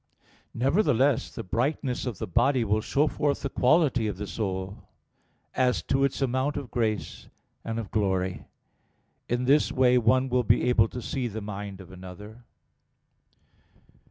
Nevertheless the brightness of the body will show forth the quality of the soul; as to its amount of grace and of glory. In this way one will be able to see the mind of another.